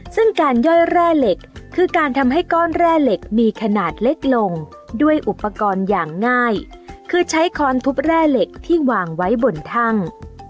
ซึ่งการย่อยแร่เหล็กคือการทำให้ก้อนแร่เหล็กมีขนาดเล็กลงด้วยอุปกรณ์อย่างง่ายคือใช้คอนทุบแร่เหล็กที่วางไว้บนทั่ง